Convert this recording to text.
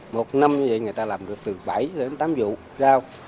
một năm như vậy người ta làm được từ bảy đến tám vụ rau